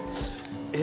え？